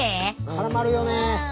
絡まるよね。